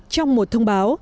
trong một thông báo